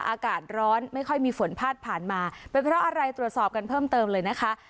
อากาศร้อนไม่ค่อยมีฝนพาดผ่านมาเป็นเพราะอะไรตรวจสอบกันเพิ่มเติมเลยนะคะ